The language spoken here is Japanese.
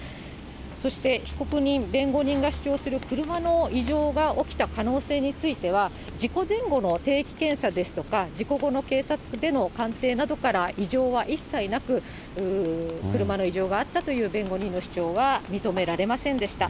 そして、被告人、弁護人が主張する車の異常が起きた可能性については、事故前後の定期検査ですとか、事故後の警察での鑑定などから異常は一切なく、車の異常があったという弁護人の主張は認められませんでした。